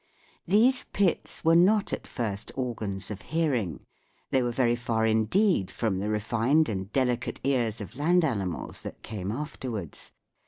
These pits were not at first organs of hearing ; they were very far indeed from the refined and delicate ears of land animals that came after wards.